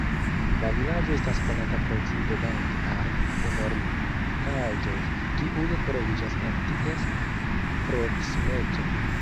La vilaĝo estas konata precipe danke al memorigaĵoj, kiuj troviĝas en ties proksimeco.